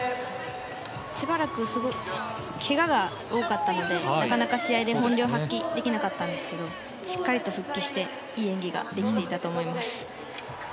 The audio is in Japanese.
しばらくけがが多かったのでなかなか試合で本領を発揮できなかったんですけれどもしっかりと復帰して、いい演技ができていたと思います。